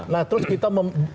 nah terus kita